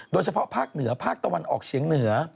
โดยเฉพาะภาคเหนือภาคตะวันออกเฉียงเหนือ